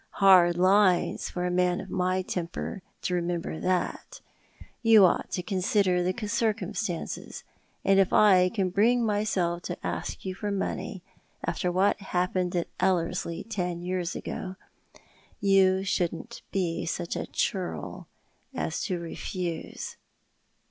Hard lines for a man of my temper to remember that. Yon ought to consider the circumstances, and if I can bring myself to ask you for money — after what happened at Ellerslie ten years ago — you shouldn't be such a churl as to refuse."